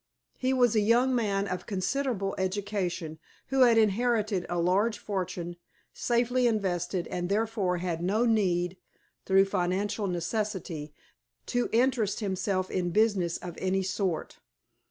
He was a young man of considerable education who had inherited a large fortune, safely invested, and therefore had no need, through financial necessity, to interest himself in business of any sort.